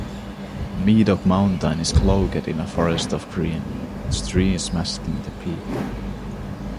Medoc Mountain is cloaked in a forest of green, its trees masking the peak.